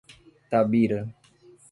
Tabira